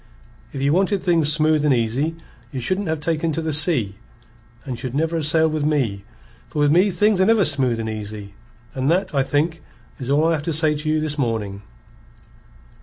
If ye wanted things smooth and easy, ye shouldn't have taken to the sea, and ye should never ha' sailed with me, for with me things are never smooth and easy. And that, I think, is all I have to say to you this morning."